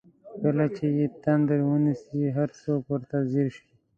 کله چې یې تندر ونیسي هر څوک ورته ځیر شي.